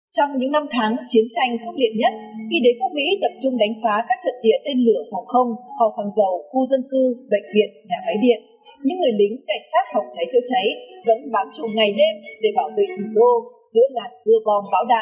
trong những năm tháng chiến tranh khốc liệt nhất khi đế quốc mỹ tập trung đánh phá các trận địa tên lửa phòng không kho sàng dầu khu dân cư bệnh viện và máy điện những người lính cảnh sát phòng cháy chữa cháy vẫn bám trùng ngày đêm để bảo vệ thủ đô giữa ngàn cưa bom bão đạn